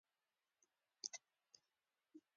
سهار د انسان همت لوړوي.